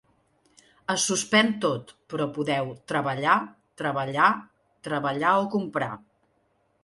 Es suspèn tot però podeu: treballar, treballar, treballar o comprar.